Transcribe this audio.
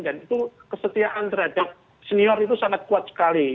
dan itu kesetiaan terhadap senior itu sangat kuat sekali